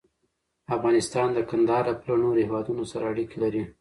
افغانستان د کندهار له پلوه له نورو هېوادونو سره اړیکې لري.